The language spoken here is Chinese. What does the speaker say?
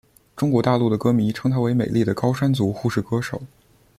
中国大陆的歌迷称她为美丽的高山族护士歌手。